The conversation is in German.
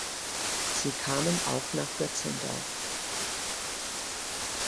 Sie kamen auch nach Götzendorf.